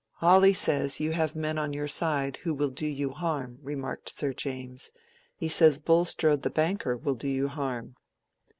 "Hawley says you have men on your side who will do you harm," remarked Sir James. "He says Bulstrode the banker will do you harm."